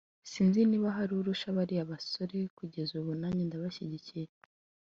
sinzi niba hari urusha bariya basore kugeza ubu […] Nanjye ndabashyigikiye